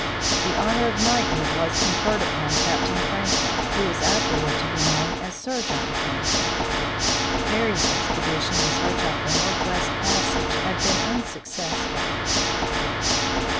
The honor of knighthood was conferred upon Captain Franklin, who was afterward to be known as Sir John Franklin. Parry's expedition in search of the northwest passage had been unsuccessful. 1 Franklin's own book gives 1989 miles.